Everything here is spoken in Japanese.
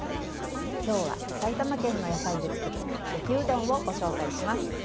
今日は埼玉県の野菜で作る焼きうどんをご紹介します。